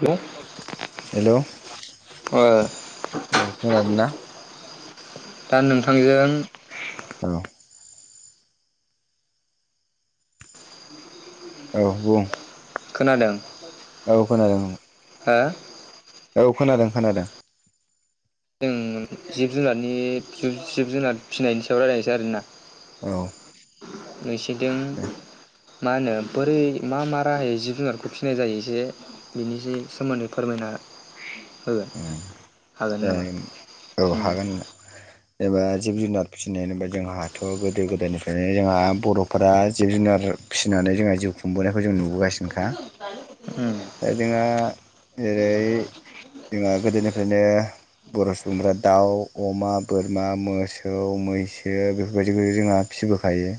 Hello hello औ खोनादोंना? दा नोंथांजों औ। औ बुं। खोनादों औ खोनादों नों हा औ खोनादों खोनादों जों जिब जुनारनि फिब जिब जुनार फिसिनायनि सायाव रायज्लायनोसै आरोना औ नैस फैदों दे मा होनो बोरै मा मा राहायै जिब जुनारखौ फिसिनाय जायो एसे बिनि एसे सोमोन्दै फोरमायना होगोन हागोन दे नामा? औ उम हागोन नोंथा जेनेबा जिब जुनार फिसिनाय होनबा जोंहाथ' गोदो गोदायनिफ्रायनो जोंहा बर'फोरा जिब जुनार फिसिनानै जोंहा जिउ खुंबोनायखौ जों नुबोगासिनोखा उम दा जोंहा जेरै जोंहा गोदोनिफ्रायनो बर' सुबुंफ्रा दाउ, अमा, बोरमा, मोसौ, मैसो बेफोरबायदिखौ जोंहा फिबोखायो।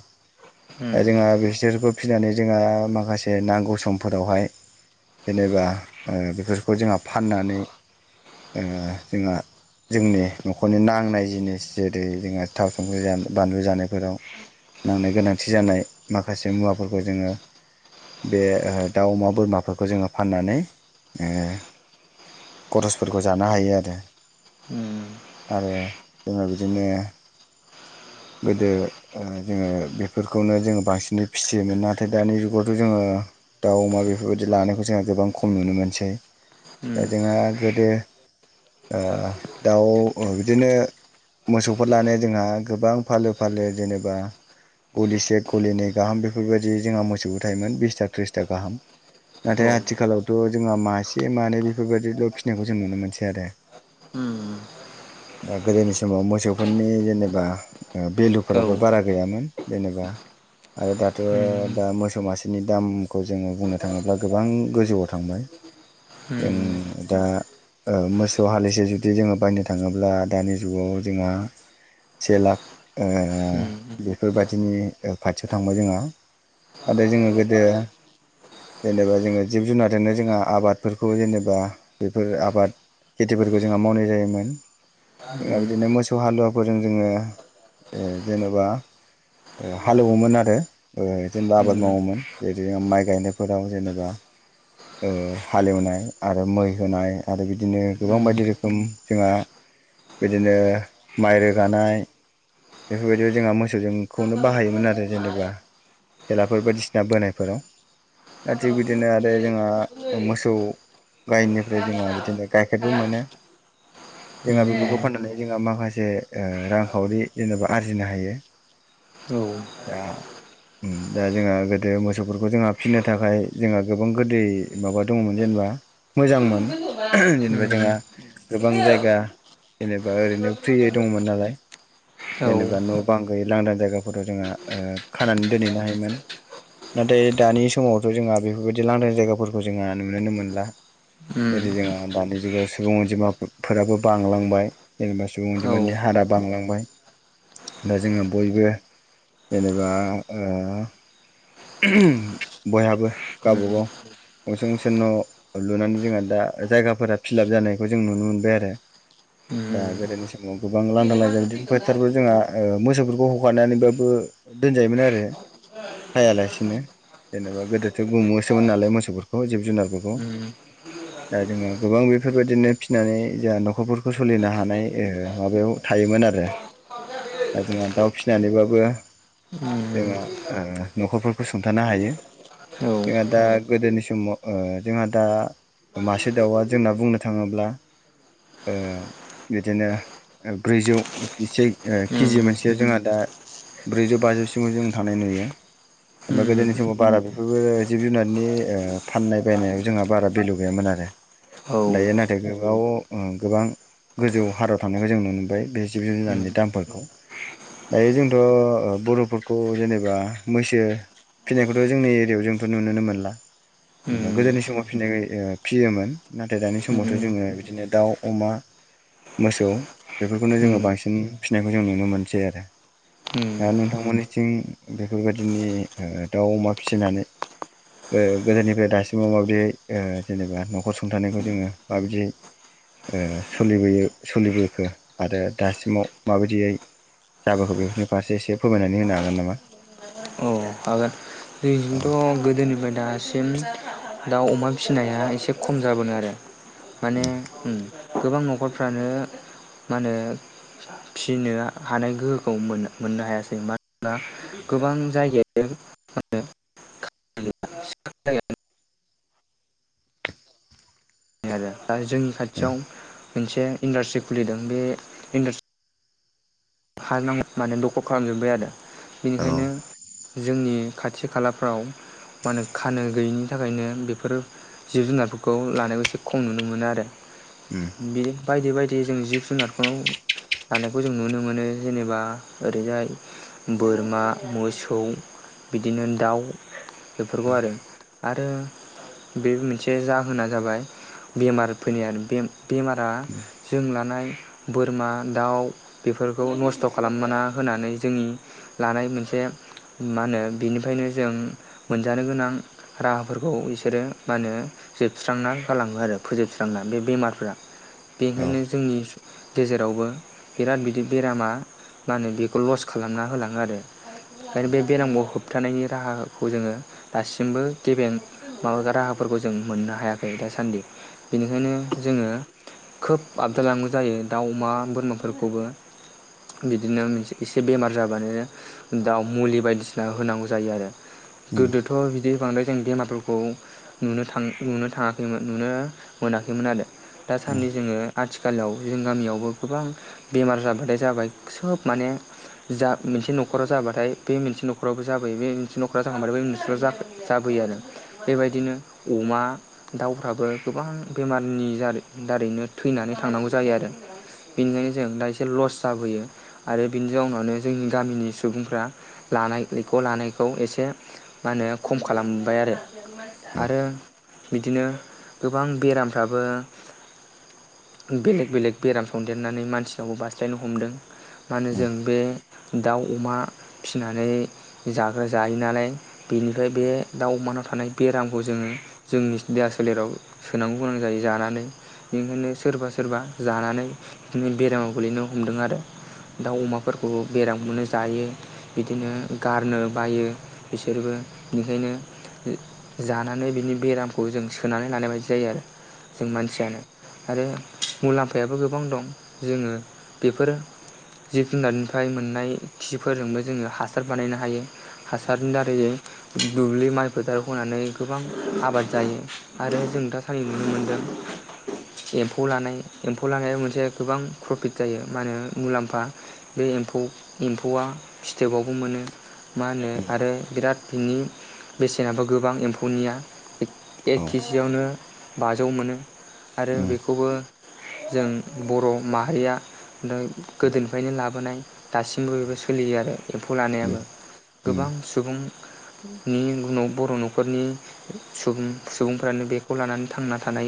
दा उम जोंहा बिसोरखौ फिनानै जोंहा माखासे नांगौ समफोरावहाय जेनेबा ओ बेफोरखौ जोंहा फाननानै ओ जोंहा जोंनि न'खरनि नांनाय जिनिस जेरै जोंहा थाव संख्रि जा बानलु जानायफोराव नांनो गोनां थि जानाय माखासे मुवाफोरखौ जोङो बे ओ दाउ अमा बोरमाफोरखौ जोङो फाननानै ओ खरसफोरखौ जानो हायो आरो उम आरो जोङो बिदिनो गोदो ओ जोङो बेफ फोरखौनो जोङो बांसिनै फिसियोमोन नाथाय दानि जुगावथ' जोङो दाउ अमा बेफोरबायदि लानायखौ जोंहा गोबां खम नुनो मोनसै। उम दा जोंहा गोदो ओ दाउ बिदिनो मोसौफोर लानाया जोंहा गोबां फालो फालो जेनेबा गलिसे गलिनै गाहाम बेफोरबायदि जोंहा मोसौबो थायोमोन बिसथा थ्रिसथा गाहाम औ नाथाय आथिखालावथ' जोंहा मासे मानै बेफोरबायदिल' फिसिनायखौ जों नुनो मोनसै आरो उम दा गोदोनि समाव मोसौफोरनि जेनेबा ओ औ भेलुफोराबो उम बारा गैयामोन। जेनेबा आरो दाथ' दा मोसौ मासेनि दामखौ जोङो बुंनो थाङोब्ला गोबां गोजौआव थांबाय उम जों दा ओ मोसौ हालिसे जुदि जोङो बायनो थाङोब्ला दानि जुगाव जोंहा से लाख ओ उम फोरबायदिनि ओ खाथियाव थांबाय जोंहा आरो जोङो गोदो जेनेबा जोङो जिब जुनारजोंनो जोंहा आबादफोरखौ जेनेबा बेफोर आबाद खेथिफोरखौ जोंहा मावनाय जायोमोन। जोंना बिदिनो मोसौ हालुवा फोरजों जोङो ओ जेनेबा ओ हालोवोमोन आरो ओ जेनेबा उम आबाद मावोमोन जेरै जों माइ गायनायफोराव जेनेबा ओ हालेवनाय आरो मै होनाय आरो बिदिनो गोबां बायदि रोखोम जोंहा बिदिनो माइ रोगानाय बेफोरबायदियाव जोंहा मोसौजों खौनो बाहायोमोन आरो जेनेबा। थेलाफोर बायदिसिना बोनायफोराव दा थिग बिदिनो आरो जोंहा मोसौ गायनिफ्राय जोंहा बिदिनो गाइखेरबो मोनो जोंहा बेफोरखौ फाननानै जोंहा माखासे ओ रांखावरि जेनेबा आरजिनो हायो। औ दा उम दा जोंहा गोदो मोसौफोरखौ जोंहा फिसिनो थाखाय जोंहा गोबां गोदै माबा दङमोन जेनेबा मोजांमोन। जेनेबा जोंहा हुम गोबां जायगा जेनेबा ओरैनो फ्रियै दंमोन नालाय औ जेनेबा न' बां गैयै लांदां जायगा फोरथ' जोंहा ओ खानानै दोनहैनो हायोमोन नाथाय दानि समावथ' जोंहा बेफोरबायदि लांदां जायगाफोरखौ जोंहा नुनोनो मोनला उम जेरै जोंहा दानि जुगाव सुबुं अनजिमाफोराबो बांलांबाय जेनेबा सुबुं औ अनजिमानि उम हारा बांलांबाय दा जोङो बयबो जेनेबा ओ बयहाबो गावबाागाव गंसे गंसे न' लुनानै जोंहा दा जायगाफोरा फिलाप जानायखौ जों नुनो मोनबाय आरो दा उम गोदोनि समाव गोबां लांदां लांदां बिदिनो फोथारफोर जोंहा ओ मोसौफोरखौ हगनानैबाबो दोनजायोमोन आरो खायालासिनो जेनेबा गोदोथो गुमोसोमोन नालाय मोसौफोरखौ जिब जुनार उम दा जोङो गोबां बेफोरबायदिनो फिसिनानै जोंहा न'खरफोरखौ सोलिनो हानाय ओ माबायाव थायोमोन आरो दा जोंहा दाउ फिनानैबाबो उम जोंहा ओ न'खरफोरखौ सुंथानो हायो औ उम जोंहा दा गोदोनि समाव ओ जोंहा दा मासे दाउआ जोंना बुंनो थाङोब्ला ओ बिदिनो ब्रैजौ गिसे ओ उम केजि मोनसेयाव जोंहा दा ब्रैजौ बाजौसिमाव जों थांनाय नुयो। एबा गोदोनि समाव बारागु बेफोरबो जिब जुनारनि ओ फाननाय बायनायाव जोंहा बारा भेलु गैयामोन आरो औ उम दायो नाथाय गोबाव ओ गोबां गोजौ हारायाव थानायखौ जों नुनो मोनबाय बे जिब उम जु-जुनारनि दामफोरखौ दायो जोंथ' ओ बर'फोरखौ जेनेबा मैसो फिनायखौथ' जोंनि एरियायाव जोंथ' नुनोनो मोनला जेनबा गोदोनि उम समाव फिनाय फियोमोन नाथाय दानि समावथ' जोङो बिदिनो दाउ अमा मोसौ बेफोरखौनो जोङो उम बांसिन फिनायखौ जों नुनो मोनसै आरो दा उम नोंथांमोननिथिं बे फोरबायदिनि दाउ अमा फिसिनानै ओ गोदोनिफ्राय दासिमाव माबाददियै ओ जेनेबा न'खर सुंथानायखौ जोङो माबायदियै ओ सोलिबोयो सोलिबोखो आरो दासिमाव माबायदियै जाबोखो बेफोरनि फारसे एसे फोरमायनानै होनो हागोन नामा? औ हागोन औ जोंजोंथ' गोदोनिफ्राय दासिम दाउ अमा फिसिनाया एसे खम जाबोदों आरो माने उम गोबां न'खरफ्रानो मा होनो फिनो हानाय गोहोखौ मोन मोननो हायासै मा दा गोबांजायगायानो आरो दा जोंनि खाथियाव मोनसे इन्डास्ट्रि खुलिदों बे इन्डास्ट्रि हा माने दख' खालामजोबबाय आरो बेनिखायनो उम जोंनि खाथि खालाफ्राव मा होनो खानो गैयिनि थाखायनो बेफोर जिब जुनारफोरखौ लानायखौ एसे खम नुनो मोनो आरो बि बायदि बायदि जों जिब जुनारखौ लानायखौ जों नुनो मोनो जेनेबा ओरैजाय बोरमा मोसौ बिदिनो दाउ बेफोरखौ आरो आरो बे मोनसे जाहोना जाबाय बेमारफोरनि आरो बेमारा जों लानाय बोरमा दाउ बेफोर बेखौ नस्थ' खालामना होनानै जोंनि लानाय मोनसे मा होनो बिनिफ्रायनो जों मोनजानो गोनां राहाफोरखौ बिसोरो मा होनो जोबस्रांना जालाङो आरो फोजोबस्रांना बे बेमारफ औ बेनिखायनो जोंनि गेजेरावबो बिराद बिदि बेरामा मा होनो बेखौ लस खालामना होलाङो आरो ओंखायनो बे बेरामखौ होबथानायनि राहाखौ जोङो दासिमबो गेबें माबा राहाफोरखौ जों मोननो हायाखै दासान्दि बेनिखायनो जोङो खोब आबदाल लानांगौ जायो दाउ अमा बोरमाफोरखौबो बिदिनोसे एसे बेमार जाबानो दाउ मुलि बायदिसिना होनांगौ जायो आरो उम गोदोथ' बिदि बांद्राय जों बेमारफोरखौ नुनो थां नुनो थाङाखैमोन नुनो मोनाखैमोन आरो उम दासान्दि जोङो आथिखालाव जों गामियावबो गोबां बेमार जाबाय बांद्राय जाबाय सोब माने जा मोनसे न'खराव जाबाथाय बे मोनसे न'खरावबो जाबोयो बे मोनसे न'खराव जाखांथाय बे मोनसे जाबोयो आरो बेबायदिनो अमा दाउफ्राबो गोबां बेमारनि जारै दारैनो थैनानै थांनांगौ जायो आरो बेनिखायनो जों दा एसे लस जाबोयो आरो बिनि जाउनावनो जोंनि गामिनि सुबुंफ्रा लानायख' लानायखौ एसे मा होनो खम खालामबाय आरो औ आरो बिदिनो गोबां बेरामफ्राबो बेलेग बेलेक बेराम संदेरनानै मानसि नावबो बास्लायनो हमदों माने उम जों बे दाउ अमा फिसिनानै जाग्रा जाहैनानै नालाय बेनिफ्राय बे दाउ अमानाव थानाय बेरामखौ जोङो जोंनि देहा सोलेराव सोनांगौ गोनां जायो जानानै बेनिखायनो सोरबा सोरबा जानानै बिदिनो बेरामाव गोलैनो हमदों आरो दाउ अमाफोरखौ बेरामखौनो जायो बिदिनो गारनो बायो बिसोरबो बेनिखायनो जानानै बिनि बेरामखौ जों सोनानै लानाय बायदि जायो आरो। जों उम औ उम मानसियानो। आरो मुलाम्फायाबो गोबां दं जोङो बेफोर जिब जुनारनिफ्राय मोननाय खिफोरजोंबो जोङो हासार बानायनो हायो उम हासारनि दारै जों दुब्लि माइ फोथार होनानै गोबां आबाद जायो आरो जों दासान्दि नुनो मोनदों एम्फौ लानाय एम्फौ लानाया मोनसे गोबां प्रफिट जायो मा होनो मुलाम्फा बे एमफौ एम्फौआ स्टेकावबो मोनो मा होनो उम आरो बिराद बिनि बेसेनाबो गोबां एम्फौनिया औ एक केजियावनो बाजौ मोनो आरो उम बेखौबो जों बर' माहारिया दों उम गोदोनिफ्रायनो लाबोनाय दासिमबो उम बेबो सोलियो आरो एम्फौ उम लानायाबो गोबां सुबुं नि उन बर' न'खरनि सुबुं सुबुंफ्रानो बेखौ लानानै थांना थानाय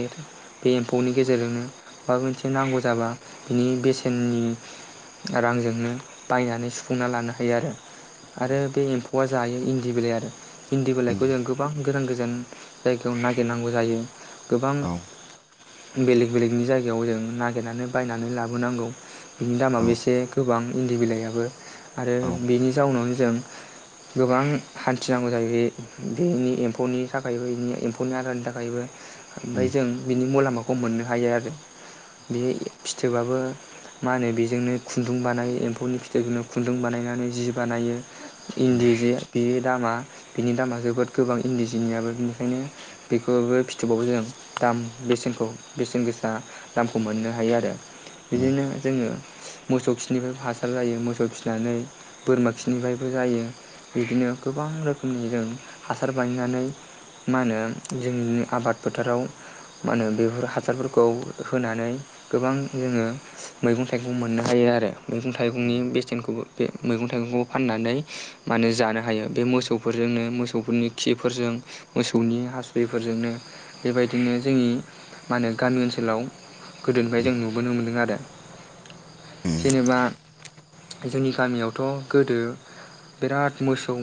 बे एम्फौनि गेजेरजोंनो माबा मोनसे नांगौ जाबा बिनि बेस सेननि रांजोंनो बायनानै सुफुंना लानो हायो आरो आरो बे एमफौ हौवा जायो इन्दि बिलाइ आरो हिन्दी बिलाइखौ जों गोबां गोरान गोजान जायगायाव नागिरनांगौ जायो गोबां बेलेग बेलेगनि जायगायाव जों नागिरनानै बायनानै लाबोनांगौ बिनि दामाबो एसे गोबां इन्दि बिलाइाबो आरो बेनि जाउनावनो जों गोबां हान्थिनांगौ जायो बे बेनि एम्फौनि थाखायबो बेनि एम्फौनि आदारनि थाखायबो ओमफ्राय जों बिनि मुलाम माखौ मोननो हायो आरो बे फिथोबाबो मा होनो बेजोंनो खुन्दुं बानायो एम्फौनि फिथाइखौनो खुन्दुं बानायनानै जि बानायो इन्दि जे बेयो दामा बिनि दामा जोबोद गोबां इन्दि जिनियाबो बिनिखायनो बेखौबो फिथोबावो जों दाम बेसेनखौ बेसेन गोसा दामखौ मोननो हायो आरो बिदिनो जोङो मोसौ खिनिफ्राय हासार जायो मोसौ फिनानै बोरमा खिनिफ्रायबो जायो बिदिनो गोबां रोखोमनि जों हासार बायनानै मा होनो जों आबाद फोथाराव मा होनो बेफोर हासारफोरखौ होनानै गोबां जोङो मैगं थाइगं मोननो हायो आरो मैगं थाइगंनि बेसेनखौबो बे मैगं थाइगंखौ फाननानै माने जानो हायो बे मोसौफोरजोंनो मोसौफोरनि खिफोरजों मोसौनि हासुदैफोरजोंनो बेबायदिनो जोंनि माहोनो गामि ओनसोलाव गोदोनिफ्राय जों नुबोनो मोनदों आरो जेनेबा जोंनि गामियावथ' गोदो बिराद मोसौ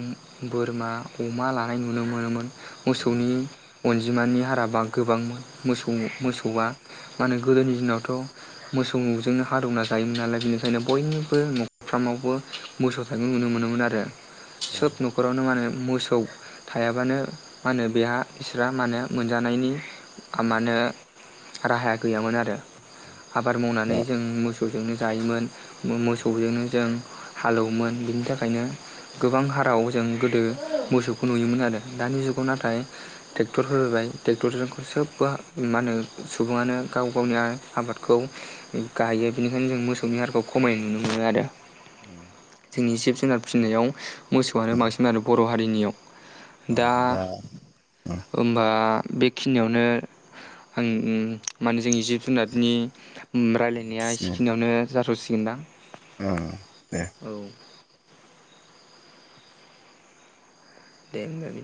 बोरमा अमा लानाय नुनो मोनोमोन मोसौनि अनजिमानि हाराबा गोबांमोन मोसौ मोसौआ मानो गोदोनि दिनावथ' मोसौ द'जोंनो हा दंना जायोमोन नालाय बेनिखायनो बयनिबो न'खरफ्रारामावबो मोसौ थाइखौ उम नुनो मोनोमोन आरो सोब न'खरावनो मानो मोसौ खौ थायाबानो मा होनो बेहा बिसोरहा मा होनो मोनजानायनि मा होनो राहाया गैयामोन आरो आबाद मावनानै दा जों मोसौजोंनो जायोमोन मोसौजोंनो जों हालौवोमोन बिनि थाखायनो गोबां हाराव जों गोदो मोसौखौ नुयोमोन आरो दानि जुगाव नाथाय ट्रेक्टर होलायबाय ट्रेक्टरजों सोबबो मा होनो सुबुङानो गाव गावनि आबादखौ गायो बेनिखायनो जों मोसौनि हारखौ खमायनाय नुनो मोनो आरो जोंनि जिब जुनार फिसिनायाव मोसौआनो बांसिन आरो बर' हारिनियाव दा औ दा ओमबा बेखिनियावनो आं माने जोंनि जिब जुनारनि उम रायज्लायनाया एखिनियावनो जाथावसि गोनदां औ दे दे होमबा